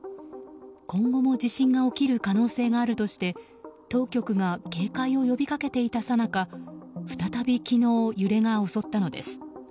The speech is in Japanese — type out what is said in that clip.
今後も地震が起きる可能性があるとして当局が警戒を呼びかけていたさなか再び昨日、揺れが襲ったのです。